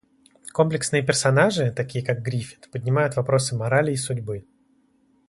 Комплексные персонажи, такие как Гриффит, поднимают вопросы морали и судьбы.